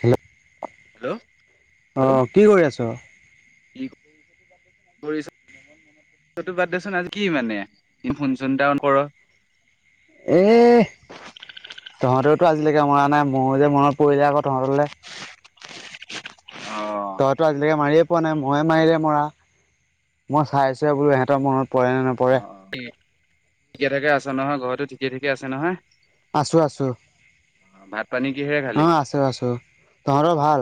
Hello hello অঁ' কি কৰি আছ? [unintelligible] কৰিছোঁ সেইটো বাদ দেচোন আজি কি মানে ফোন চোন এটাও নকৰ। এহ তহঁতেওতো আজিলৈকে মৰা নাই ময়ো যে মনত পৰিলে আকৌ তহঁতলে অ' তইতো আজিলৈকে মাৰিয়ে পোৱা নাই ময়ে মাৰিলে মৰা। মই চাইছো বোলো ইহঁতৰ মনত পৰেন ন অ অ ঠিকে ঠাকে আছে নহয়? ঘৰটো ঠিকে ঠাকে আছে নহয়? আছোঁ আছোঁ ভাত পানী কিহেৰে খালি অ', আছোঁ আছোঁ, তহঁতৰ ভাল?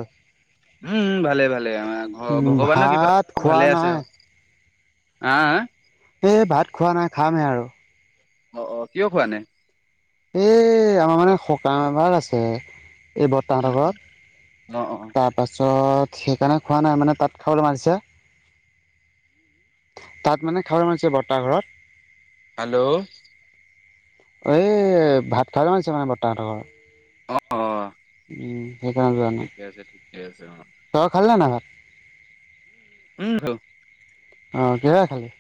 উম', উম' ভালে ভালে অ' ভ উম ভগৱানৰ ভাত কৃপাত খোৱা ভালে আছে নাই আৰু। হা, হা! এই ভাত খোৱা নাই খামহে আৰু। অ', অ' কিয় খোৱা নাই? এ আমাৰ মানে সকাম এভাগ আছে। এই বৰদেউতা হঁতৰ ঘৰত, অ অ তাত পাছত সেইকাৰণে খোৱা নাই মানে, তাত খাবলৈ মাতিছে। তাত মানে খাবলৈ মাতিছে বৰতা ঘৰত। হেল্ল' এই ভাত খাবলৈ মাতিছে মানে বৰতা হঁতৰ ঘৰত। অ, অ। উম', সেইকাৰণে যোৱা ঠিকে আছে ঠিকে আছে অ নাই। তই খালিনে নাই ভাত? উম, খালোঁ। অ', কিহেৰে খালি?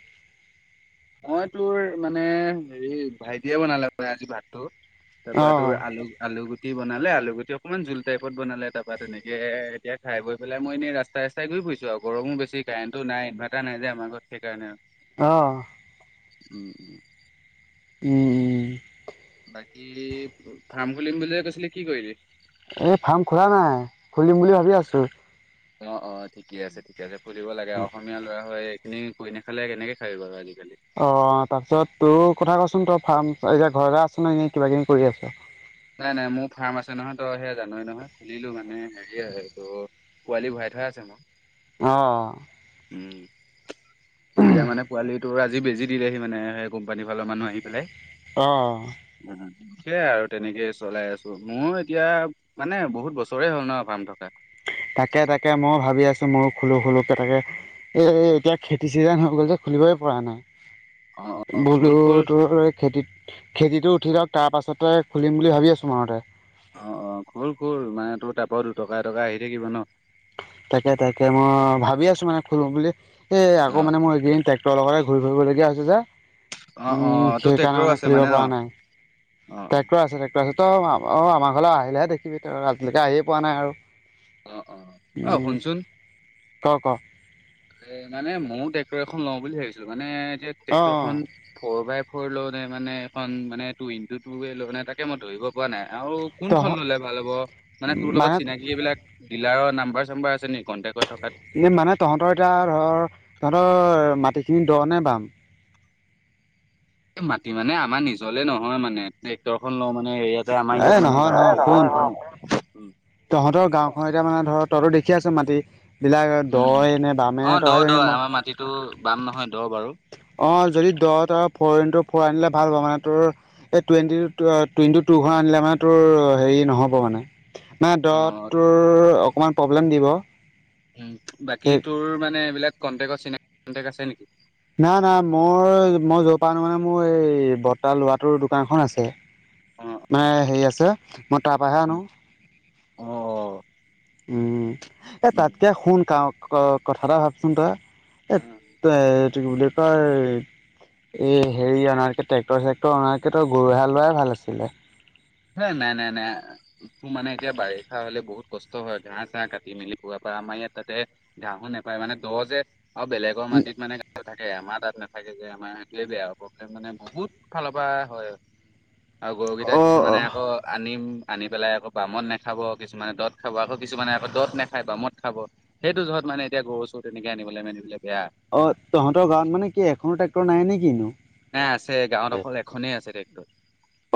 মই তোৰ মানে হেৰি ভাইটিয়ে বনালে আজি ভাতটো। তাৰপা অঁ তোৰ আলু আলু গুটি গুটি বনালে আলু গুটি অকনমান জোল টাইপত বনালে। তাৰপৰা তেনেকে, এতিয়া খাই বৈ পেলাই মই এনেই ৰাস্ত ৰাস্তাই ৰাস্তাই ঘূৰি ফুৰিছো আৰু গৰমো বেছি কাৰেণ্টো নাই, ইনভাৰটাৰ নাই যে আমাৰ ঘৰত সেইকাৰণে আৰু। অ'। উম, উম। উম, উম। বাকী, ফাৰ্ম খুলিম বুলি যে কৈছিলি কি কৰিলি? এই ফাৰ্ম খোলা নাই, খুলিম বুলি ভাবি আছোঁ। অ', অ' ঠিকে আছে ঠিকে আছে খুলিব লাগে অসমীয়া ল'ৰা হৈ নিজে কৰি নাখালে কেনেকে খাবি বাৰু আজিকালি। অ', তাৰপিছত তোৰ কথা কচোন? তই ফাৰ্ম এতিয়া ঘৰতে আছ নে? এনে কিবা-কিবি কৰি আছ? নাই নাই, মোৰ ফাৰ্ম আছে নহয় তই সেয়া জানই নহয়, খুলিলো মানে হেৰি আহে তোৰ পোৱালি ভৰাই থোৱা আছে মোৰ। অ'। উম। এতিয়া মানে পোৱালি তোৰ আজি বেজি দিলেহি মানে কোম্পানীৰ ফালৰ মানুহ আহি পেলাই। অ'। হা হা সেয়া আৰু। তেনেকেই চলাই আছোঁ মোৰো এতিয়া, মানে বহুত বছৰেই হ'ল ন' ফাৰ্ম থকা। তাকে তাকে ময়ো ভাবি আছোঁ ময়ো খুলো খুলো কে তাকে এ এতিয়া, খেতি চিজন হৈ গ'ল যে, খুলিবই পৰা নাই। অ', অ'। বোলো খোল খোল তোৰ এই খেতিত খেতিটো উঠি লওঁক তাৰপাছতেই খুলিম বুলি ভাবি আছোঁ মনতে। অ', অ', খোল খোল মানে তোৰ তাৰপৰাও দুটকা এটকা আহি থাকিব ন'? তাকে তাকে মই ভাবি আছোঁ মানে খুলো বুলি, এই আকৌ অ', মানে মোৰ অ'। এই কেই দিন ট্টেক্টৰৰ লগতে ঘূৰি ফুৰিবলগীয়া হৈছে যে, অ', উম, অ', তোৰ সেইকাৰণে ট্ৰেক্টৰো মানে আছে খুলিব ন? পৰা নাই। অ', অ'। ট্ৰেক্টৰ আছে ট্টেক্টৰ আছে তই অ', আমাৰ ঘৰলৈ আহিলেহে দেখিবি তই আজিলৈকে আহিয়ে পোৱা নাই আৰু। অ', অ', অ', উম, শুনচোন ক' ক'? এই মানে ময়ো ট্ৰেক্টৰ এখন লওঁ বুলি ভাবিছিলো মানে এতিয়া অ অ ট্ৰেক্টৰখন ফ'ৰ বাই ফ'ৰ লওঁ নে মানে এইখন মানে টু ইনটু টুৱে লওঁ নে, তাকে মই ধৰিব পোৱা নাই আৰু তহ কোনখন ল'লে ভাল হ'ব মানে তোৰ লগত চিনাকি এইবিলাক ডিলাৰৰ নাম্বাৰ-চাম্বাৰ আছে নেকি কণ্টেক্টত থকাত? মানে তহঁতৰ এতিয়া ধৰ তহঁতৰ মাটিখিনি দ' নে বাম? এই মাটি মানে আমাৰ নিজলে নহয় মানে ট্ৰেক্টৰ খন লওঁ মানে ইয়াত তে আমাৰ এ ইয়াত নহয় নহয় শুন মানে [unintelligible] তহঁতৰ গাঁওখন এতিয়া মানে ধৰ তইতো দেখি আছ মাটি বিলাক দ'য়ে নে বামে তই যে জানিবি, মই টো বাম নহয় দ' বাৰু। অ', যদি দ' তই ফ'ৰ ইনটু ফ'ৰ আনিলে ভাল হ'ব মানে তোৰ এই টুৱেণ্টি টু ইনটু টু খন আনিলে মানে তোৰ হেৰি নহ'ব মানে। মানে দ'ট অ', তোৰ অকমান প্ৰব্লেম দিব। উম, বাকী সেই তোৰ মানে এইবিলাক কন্টেকত চিনাক কণ্টেক আছে নেকি? নাই, নাই মই, মই য'ৰ প আনো মানে মোৰ এই বৰটা ল'ৰাটোৰ দোকানখন আছে। অ', মানে হেৰি আছে, মই তাৰ পৰাহে আনো। অ', অ'। উম, এ তাতকে শুন ক- ক কথা এটা ভাবচোন তই। এ অ', তে এটো কি বুলি কয় এই হেৰি আনাৰ পিছত ট্ৰেক্টৰ চেক্টৰ আনাৰ পিছত তই গৰু এহাল লোৱাই ভাল আছিলে। এ নাই, নাই, নাই। মোৰ মানে এতিয়া বাৰিষা হ'লে বহুত কষ্ট হয়, ঘাঁহ চাঁহ কাটি মেলি [unintelligible] পা আমাৰ ইয়াত তাতে ঘাঁহো নাপায় মানে দ যে আৰু বেলেগৰ মাটিত মানে থাকে আমাৰ তাত নাথাকে যে আমাৰ সেইটোৱে বেয়া প্ৰব্লেম মানে বহুত ফালৰ পৰা হয় আৰু। আৰু গৰু গেইটাক অ' মানে অ'। আকৌ আনিম আনি পেলাই আকৌ বামত নাখাব, কিছুমানে দত খাব আকৌ কিছুমানে আকৌ দত নাখায় বামত খাব, সেইটো জহত মানে এতিয়া গৰু চৰু তেনেকে আনিবলে মেলিবলে বেয়া। অ', তহঁতৰ গাঁৱত মানে কি এখনো ট্ৰেক্টৰ নাই নে কিনো। নাই আছে গাঁৱত অকল এখনেই আছে টেক্টৰ।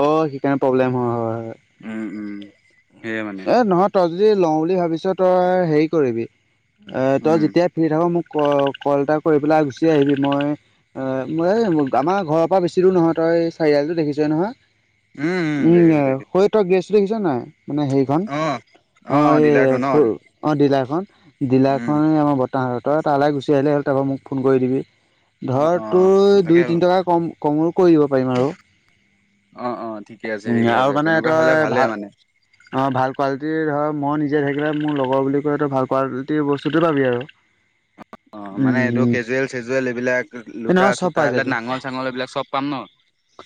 অ', সেইকাৰণে প্ৰব্লেম হয়, হয়, হয়। উম, উম সেয়াই মানে। এ নহয় তই যদি লওঁ বুলি ভাবিছ তই হেৰি কৰিবি, এ তই উম যেতিয়া [unintelligible] থাকো মোক ক-কল এটা কৰি পেলাই গুচি আহিবি মই অ', মই এই আমাৰ ঘৰৰ পৰা বেচি দূৰ নহয় তই চাৰিআলিটো দেখিছই নহয়। উম, হয় তই গেছটো দেখিছ নাই। মানে হেৰিখন অ অ', এই ডিলাৰটো ন সৰু অ', ডিলাৰখন, ডিলাৰখন উম আমাৰ ব তাহাঁতৰ তালে গুচি আহিলে হ'ল তাৰপৰা মোক ফোন কৰি দিবি, অ ধৰ অ তোৰ তাকে দুই তিনি টকা কম কমো কৰিব পাৰিম আৰু। অ', অ', ঠিকে আছে, ঠিকে আৰু আছে, মানে তেনেকুৱা হ'লে তই ভালে ভাল মানে। অ', ভাল কোৱালিটিৰ ধৰ মই নিজে থাকিলে মোৰ লগৰ বুলি কয়টো ভাল কোৱালিটিৰ বস্তুটো পাবি আৰু। [unintelligible] অ', মানে এইটো উম কেজুৱেল চেজুৱেল এইবিলাক এই লোটা নহয় চব চোতা পাই এইলাক যাবি নাঙল চাঙল এইবিলাক চব পাম ন।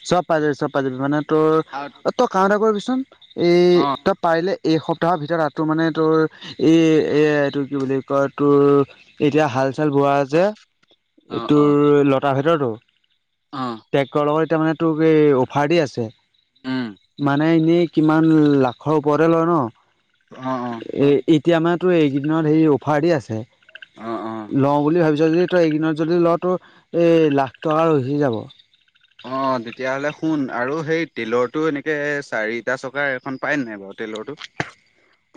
চব পাই যাবি, চব পাই যাবি, মানে তোৰ আৰু অ', তই কাম এটা কৰিবিচোন এ অ তই পাৰিলে এই সপ্তাহৰ ভিতৰত [unintelligible] মানে তোৰ এই এ এইটোৰ কি বুলি কয় তোৰ এতিয়া হাল চাল বোৱা যে, অ অ এইটোৰ লতাৰ ভিতৰটো অ'। ট্ৰেক্টৰৰ লগত এতিয়া মানে তোক এ অফাৰ দি আছে। উম মানে এনেই কিমান লাখৰ ওপৰতে লয় ন। অ', অ'। এ এতিয়া মানে তোৰ এইকেইদিনত হেৰি অফাৰ দি আছে, অ', অ', লওঁ বুলি ভাবি জল্দি তই এইকিদিনত যদি লওঁ তোৰ এ লাখ টকা ৰখি যাব। অ', তেতিয়াহ'লে শুন আৰু সেই টিলৰটো এনেকে চাৰিটা চকাৰ এখন পায় নাই বাৰু টেলৰটো।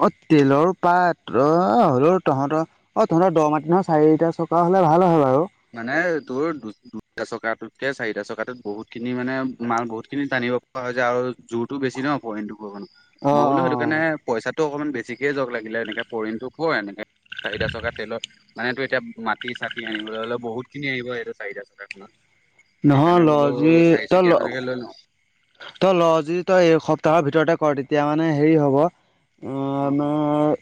অ', টেলৰ পায়, অ', হ'লেও তহঁতৰ অ', তহঁতৰ দ মাতি নহয়, চাৰিটা চকা হ'লে ভাল হয় বাৰু। মানে তোৰ দু- দুটা চকাটোতকে চাৰিটা চকাটোত বহুত খিনি মানে মাল বহুতখিনি টানিব [unintelligible] যে আৰু জোৰটো বেছি ন [unintelligible] অ মই বোলো অ সেইটো [unintelligible] পইচাতো অকণমান বেছিকে জাওক লাগিলে এনেকে ফৰিনটো ফ'ৰ এনেকে চাৰিটা চকা তেলৰ মানে টোৰ এতিয়া মাটি চাটি আনিবলে হ'লে বহুত খিনি আহিব এইটো চাৰিটা চকাখনত। নহয় ল সেইকাৰণে বোলোঁ, যদি তই ল চাৰি-চকীয়া খনকে লৈ লওঁ। তই লওঁ যদি, তই এই সপ্তাহৰ ভিতৰতে কৰ। তেতিয়া মানে, সেৰি হ'ব। উম, অ', অ', আমাৰ,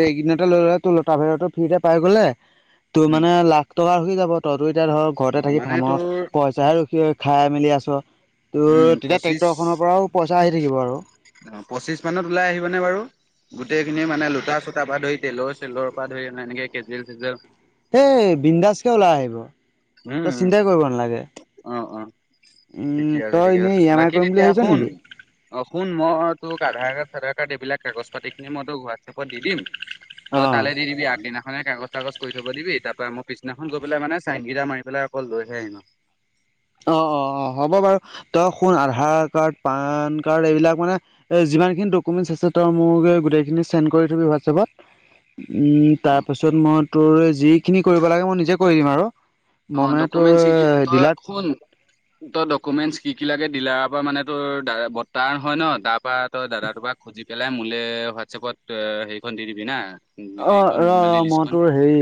এইকেইদিনতে লৈ ল'লে তোৰ, তাৰপিছতে, ফ্ৰীতে পাই গ'লে, তোৰ উম, মানে, লাখ টকা হৈ যাব। তই তো এতিয়া ধৰ, ঘৰতে অ', থাকি মানে ফাৰ্মৰ তোৰ পই [unintelligible] খাই-মেলি আছ। উম, তোৰ, তেতিয়া পঁচিশ ট্ৰেক্টৰখনৰ পৰাওঁ, পইচা আহি থাকিব আৰু। অ'! পঁচিছ মানত ওলাই আহিবনে বাৰু? গোটেইখিনি মানে, লোটা-চোতা পৰা ধৰি, তেলৰ- চেলৰ পৰা ধৰি, এনেকে কেজোৱেল-চেজোৱেল। সেই, বিন্দাচকে ওলাই আহিব। উম, তই উম। চিন্তাই কৰিব নালাগে অ' অ'! উম ঠিকেই আছে, তই ঠিকে এনেই আছে। ই এম আই বাকী কৰিম বুলি তেতিয়া, ভাবিছ শুন? নেকি? অ'! শুন, মই তোক, আধাৰ কাৰ্ড-চাধাৰ কাৰ্ড এইবিলাক, কাগজ-পাতি খিনি মই তোক, হোৱাটছএপত দি দিম। তই অ', তালে দি দিবি আগদিনাখনে। কাগজ-চাগজ কৰি ল'ব দিবি। তাৰপৰা, মই পিছদিনাখন গৈ পেলাই মানে, চাইন কেইটা মাৰি পেলাই, অকল লৈহে আহিম আৰু। অ' অ' অ'! হ'ব বাৰু। তই শুন? আধাৰ কাৰ্ড- পান কাৰ্ড, এইবিলাক মানে, এ, যিমানখিনি ডকুমেন্টছ আছে, তই মোৰলে গোটেইখিনি, চেণ্ড কৰি দিবি হোৱাটছএপত। উম, তাৰপাছত মই তোৰ, যিখিনি কৰিব লাগে, মই নিজে কৰি দিম আৰু। মই অ'! মানে তোৰ ডকুমেন্টছ কি-শকি, তই ডিলাৰ শুন? তই ডকুমেন্টছ কি কি লাগে, ডিলাৰ পৰা মানে, তোৰ দাদা, বৰ্তা হয় ন'? তাৰপৰা, তই দাদাটোৰ পৰা খুজি পেলাই, মোলে হোৱাটছএপত তই সেৰিখন দি দিবি হা। অ'! ৰ'-ৰ' মই তোৰ সেৰি,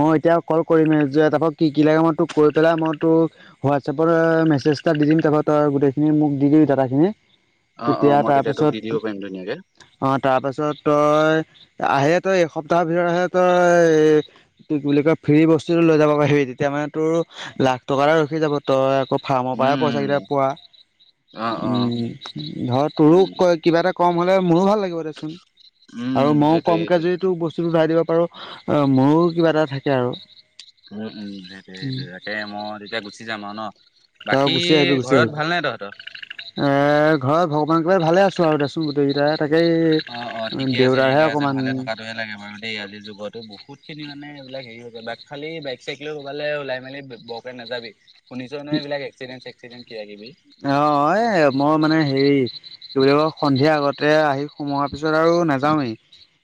মই এতিয়া, ক'ল কৰিমহে। যে, তাৰপৰা কি কি লাগে, মই তোক কৈ পেলাই, মই তোক, হোৱাটছএপত মেছেজ এটা দিম। তাৰপা, তই গোটেইখিনি মোক দি দিবি ডাটাখিনি। অ' অ'! মই তেতিয়া তোক, দি দিব পাৰিম ধুনীয়াকে। অ'! তাৰপাছত তই, আহে তই, এসপ্তাহৰ ভিতৰতহে আহে তই, এ, কি বুলি কয়, ফ্ৰী বস্তুটো লৈ যাব পাৰিবি, তেতিয়া মানে। তোৰ, লাখ টকা ৰখি যাব। তই আকৌ, ফাৰ্মৰ পৰাহে, উম পইচাকেইটা পোৱা। অ অ উম! ধৰ তোৰো, উম কিবা এটা কম হ'লে, মোৰো ভাল লাগিব দেচোন! আৰু উম মইও সেইটোৱে কমকে সেইটোৱে [unintelligible] তোৰ বস্তুতো ধৰাই দিব পাৰোঁ। অ' মোৰো কিবা এটা থাকে আৰু। উম, উম! সেইটোৱে-সেইটোৱে। তাকে, মই তেতিয়া গুচি যাম আৰু ন'। তই বাকী, গুচি আহিবি গুচি ঘৰত আহিবি ভাল নাই তহঁতৰ? এ, ঘৰত ভগৱান কৃপাত ভালে আছোঁ আৰু দেচোন গোটেইকেইটা। তাকেই, অ' অ'! ঠিকে আছ, দেউতাৰহে ঠিকে আছে। অকণমান ভালে থকাটোহে লাগে বাৰু। এই আজিৰ যুগতো বহুত খিনি মানে, এইবিলাক সেৰি হৈছে। খালি, বাইক-চাইক লৈ ক'ৰবালে, ওলাই-মেলি ব তই নাযাবি। শুনিছ নহয়, এইবিলাক এক্সিডেন্ত-চেক্সিডেন্ত, কিবা-কিবি। অ'! এই, মই মানে সেৰি, কি বুলি কয়, সন্ধিয়া আগতে আহি, সোমোৱাৰ পিছত আৰু নাযাওঁৱেই।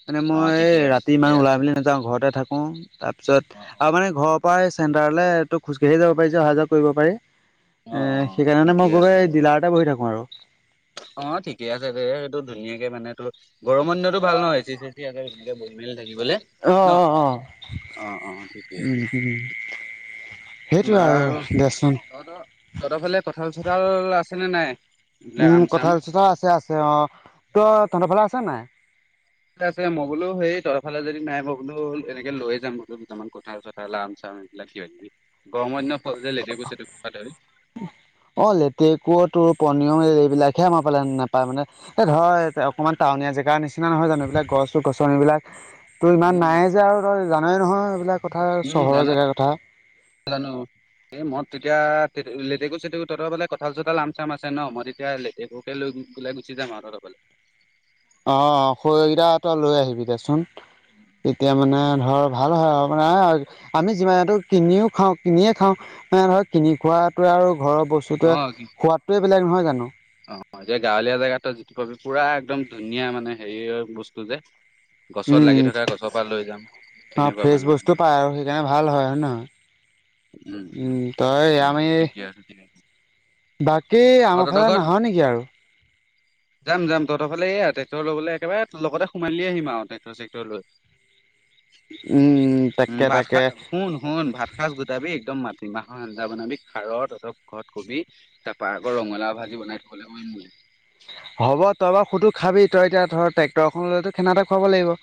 মানে, অ', মই ঠিকে আছে ৰাতি ঠিকে ইমান আছে ওলাই-মেলি নাযাওঁ, ঘৰতে থাকোঁ। তাৰপিছত অ', আৰু অ', মানে, ঠিকে ঘৰৰ আছে পৰা চেণ্টাৰলে, ত' খোজকাঢ়িয়ে যাব পাৰি যে, অহা-যোৱা কৰিব পাৰি। অ' অ'! [unintelligible] ঠিকে আছে এই, বাৰু ডিলাৰতে বহি থাকোঁ আৰু। অ'! ঠিকে আছে দে। সেইটো, ধুনীয়াকে মানে তোৰ, গৰমৰ দিনতো ভাল ন'! এচি-চেচি আছে। বহি-মেলি থাকিবলে, অ', ন'? অ', অ'। অ' অ'! ঠিকে আছে। উম, উম। সেইটোৱে আৰু বাৰু দেচোন তহঁত-তহঁতৰ ফালে, কঁঠাল-চঁঠাল আছে নে নাই? এইবিলাক উম, আম চাম কঁঠাল-চঁঠাল আছে-আছে, অ'! ত' তহঁতৰ ফালে আছে নাই? কিছুমান আছে মই বোলো সেই তই এইফালে যদি নাই মই বোলো এনেকৈ যাম বোলো দুইমান কথা চ' কথা লাম চাম। [unintelligible] গৰমৰ দিনৰ ফল লেটেকু ধৰি। অঁ', লেটেকু তোৰ পনিয় এইবিলাক'হে আমাৰ ফালে নাপায় মানে- এই ধৰ অকণমান টাউনীয়া জেগাৰ নিচিনা নহয় জানো এইবিলাক গছ-গছনিবিলাক- তো ইমান উম নাই যে আৰু তই জানেই নহয় এইবিলাক কথা উম চহৰৰ জানো জেগাৰ কথা। জানো। এই মই তেতিয়া লেটেকু-চেটেকু তহঁৰ ফালে কঠাল-চঠাল, আম-চাম আছে ন' মই তেতিয়া লেটেকু- লৈ পেলাই গুচি যাম আৰু তহঁতৰ ঘৰলে। অঁ', খৰিকেইটা হাত'ত লৈ আহিবি মানে ধৰক- ভাল হয় আৰু মানে আমি যিমানখিনি কিনিও খাওঁ কিনিয়ে খাওঁ। এ' ধৰ কিনি খোৱাতোৱে আৰু ঘৰৰ অ বস্তুতয়ে কি সোৱাদটোৱে বেলেগ নহয় জানো। অ', এতিয়া গাঁৱলীয়া জেগাতো যিটো পাবি পুৰা একদম ধুনীয়া মানে হেৰি বস্তু যে- গছত উম লাগি থকা গছৰ পৰা লৈ যাম তেনেকুৱা মানে। যেনে ভাল হয় নে নহয়। উম তই উমঁ-উমঁ-উমঁ, আমি ঠিকে আছে-ঠিকে আছে। বাকী' অ তহঁতৰ আমাৰফালে নাহয়ে নেকি আৰু? যাম-যাম তহঁতৰ ফালে এয়া ট্ৰেক্টৰ লৈ পেলাই একেবাৰে লগতে সোমাই আহিম আৰু ট্ৰেক্টৰ-চেক্টৰ লৈ। উমঁ-উমঁ, তাকে-তাকে। শুন-শুন ভাত- এসাঁচ গোটাবি একদম মাটি মাহৰ আঞ্জা বনাবি খাৰৰ লগত কবি- তাৰপৰা আকৌ ৰঙালাও ভাজি বনাই থ'ব লাগিব। হ'ব তই বাৰু সুধো খাবি, তই এতিয়া ধৰ ট্ৰেক্টৰখন লৈ তো খানা এটা খুৱাব লাগিব।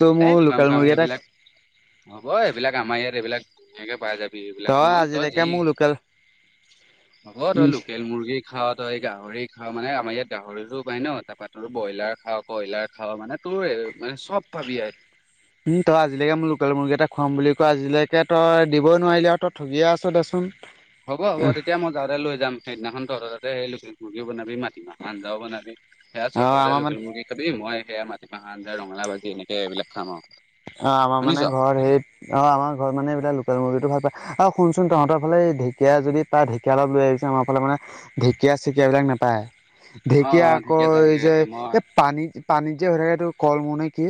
ত' এ মোৰ খুৱাম লোকেল খুৱাম মুৰ্গী এটাক- সেইবিলাক হ'ব এইবিলাক আমাৰ ইয়াত এইবিলাক ধুনীয়াকে পাই যাবি। সেবিলাক ন' তই আজিলৈকে যি- মোৰ লোকেল হ'ব তই লোকেল মুৰ্গী- খাওঁ তই এই গাহৰি খাঁও মানে আমাৰ ইয়াত গাহৰিতো পায় ন' তাৰপা তো ব্ৰইলাৰ খা কইলাৰ খাওঁ মানে- তোৰ মানে চব ভাবি আৰু। [unintelligible] উম' তই আজিলৈকে মোৰ লোকেল মুৰ্গী এটা খোৱাম বুলি কয় আজিলৈকে তই দিবই নোৱাৰিলি আৰু তই ঠগিয়ে আছ দে চোন। হ'ব-হ'ব তেতিয়া মই যাওঁতে লৈ যাম সেইদিনাখন তহঁত তআ'তে মুৰ্গী বনাবি মা- নে আঞ্জাও বনাবি সেয়া আৰু চতহৰ আমাৰ মানে লোকেল মুৰ্গী- খাবি, মই সেয়া মাটিমাহ আ' ৰঙালাও বাজি এনেকে এইবিলাক খাম আৰু। অঁ', আমাৰ মানে শুনিছ? ঘৰ সেই- অঁ', আমাৰ ঘৰত মানে এইবিলাক লোকেল মুৰ্গীটো ভাল পায়। আৰু শুনচোন তহঁতৰ ফালে এই ঢেকীয়া যদি- পায় ঢেকীয়া অপল লৈ আহিবিচোন আমাৰ ফালে মানে ঢেকীয়া-চেকীয়াবিলাক নাপায়। অ ঢেঁকীয়া অ ঠিকে আছে আকৌ এই ঠিকে যে আছে মই এই পানীত-পানীত যে হৈ থাকে এইটো কলমৌ নে কি।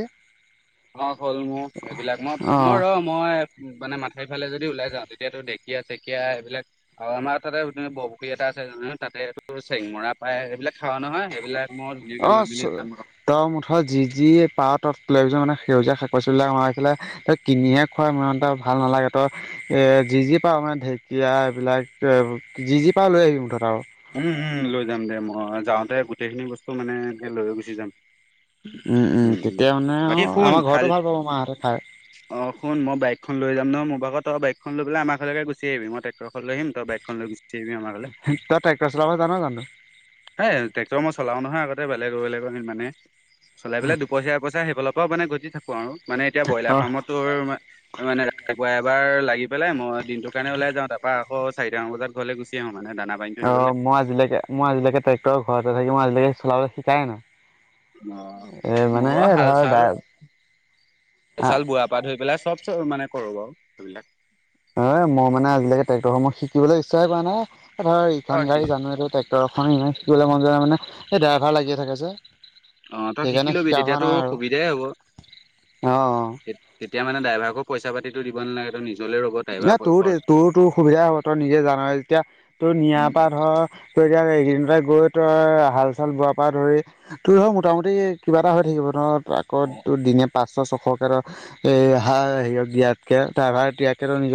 অঁ', কলমৌ এইবিলাক মই ম অ ৰম। মই মানে মাথাউৰি ফালে যদি ওলাই যাওঁ তেতিয়াতো ঢেকীয়া-চেকীয়া এইবিলাক- আৰু আমাৰ তা'তে বৰপুখুৰী এটা আছে তা'তেটো চেংমৰা পায় সেইবিলাক খাওঁ নহয়। সেইবিলাক মই ধুনীয়াকৈ লৈ মেলি যাম আৰু। তৰ মুঠতে যি যি পাওঁ তই লিছ মানে সেউজীয়া শাক-পাচলিবিলাক ভৰাই পেলাই- কিনিহে খোৱা ইমানতা ভাল নালাগে, তই- এ যি যি পাওঁ মানে ঢেঁকীয়া এইবিলাক যি যি পাওঁ লৈ আহি মুঠতে আৰু। উমঁ-উমঁ, লৈ যাম দে, মই যাওঁতে গোটেইখিনি বস্তু মানে লৈ গুচি যাম। উমঁ-উমঁ, উম উম। তেতিয়া মানে আৰু বাকী শুন আমাৰ খালি ঘৰতো ভাল পাব মাহঁতে খাই। অ', শুন মই বাইকখন লৈ যাম নহয় মোৰ ভাগৰ তই বাইকখন লৈ পেলাই আমাৰ ঘৰলেকে গুচি আহিবি মই টেক্টৰখন লৈ আহিম তই বাইকখন লৈ গুচি আহিবি আমাৰ ঘৰলে তই ট্ৰেক্টৰ চলাব জান জানো? এ ট্ৰেক্টৰ মই চলাও নহয় আগতে বেলেগৰ বেলেগৰ মানে চলাই পেলাই দুপইচা এপইচা সেইফালৰ পৰাও মানে ঘটি থাকো আৰু মানে এতিয়া ব্ৰইলাৰ অ ফাৰ্মত তোৰ মানে আকৌ এবাৰ লাগি পেলাই মই দিনটো কাৰণে ওলাই যাওঁ, তাৰপা আকৌ চাৰিটামান বজাত ঘৰলৈ গুচি আহো মানে দানা পানীটো অ দিবলৈ মই আজিলৈকে মই আজিলৈকে ট্ৰেক্টৰ ঘৰতে থাকি মই আজি লৈকে চাবলৈ শিকা নাই। অ', এ মানে মোৰ হাল চাল ধৰ হাল চাল বোৱা বোৱা পা ধৰি পেলাই চব চব মানে কৰোঁ আৰু সেইবিলাক। এ মই মানে আজিলৈকে ট্ৰেক্টৰ শিকিবলৈ ইচ্ছাই কৰা নাই ধৰ অ ইখন সি গড়ী জানো এইটো ট্ৰে ক্টৰখন শিকিবলৈ মন যোৱা নাই মানে এই ড্ৰাইভাৰ লাগিয়ে থাকে যে। অ', তই শিকি সেইকাৰণে লবি শিকা তেতিয়া হোৱা নাই তোৰ আৰু সুবিধাই হ'ব। অ তেতিয়া মানে ড্ৰভাৰকো পইচা পাতিটো দিব নালাগে তই নিজলে ৰ'ব না ড্ৰাইভাৰ তোৰ খৰচ। তোৰ তোৰ সুবিধা হ'ব তই নিজে জান যেতিয়া তোৰ নিয়াৰ উম, পৰা উম, ধৰ তই এতিয়া এইখিনি পৰা গৈ তই হাল চাল বোৱাৰ পৰা ধৰি তই ধৰ মোটামুটি কিবা এটা হৈ থাকিব ধৰ। অ', ট্ৰাকতো দিনে পাঁচশ ছশক এ হেৰিত দিয়াতকে ড্ৰাইভাৰ দিয়াতকে। [inaudible]